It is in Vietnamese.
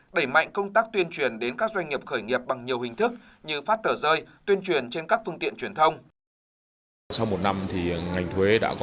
đẩy mạnh công tác tuyên truyền đến các doanh nghiệp khởi nghiệp bằng nhiều hình thức